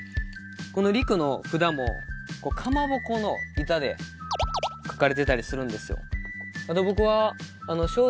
この陸の札もかまぼこの板で書かれてたりするんですよ